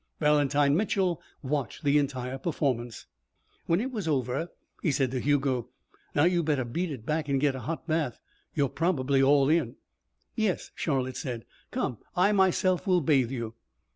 Valentine Mitchel watched the entire performance. When it was over, he said to Hugo: "Now you better beat it back and get a hot bath. You're probably all in." "Yes," Charlotte said. "Come. I myself will bathe you."